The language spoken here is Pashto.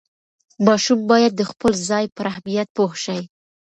ماشوم باید د خپل ځای پر اهمیت پوه شي.